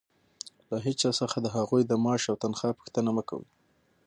له هيچا څخه د هغوى د معاش او تنخوا پوښتنه مه کوئ!